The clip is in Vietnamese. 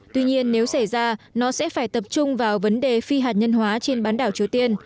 tuy nhiên nếu xảy ra nó sẽ phải tập trung vào vấn đề phi hạt nhân hóa trên bán đảo triều tiên